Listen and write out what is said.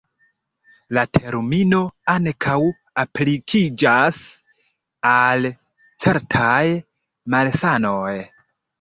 La termino ankaŭ aplikiĝas al certaj malsanoj.